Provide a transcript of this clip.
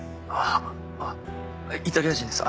あ「イタリア人」です